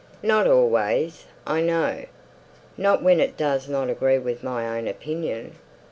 "Not always, I know. Not when it doesn't agree with my own opinion.